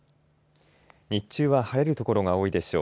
日中は晴れる所が多いでしょう。